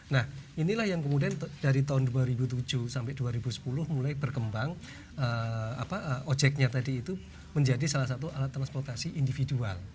nah inilah yang kemudian dari tahun dua ribu tujuh sampai dua ribu sepuluh mulai berkembang ojeknya tadi itu menjadi salah satu alat transportasi individual